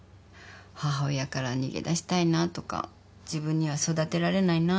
母親から逃げだしたいなとか自分には育てられないなとか。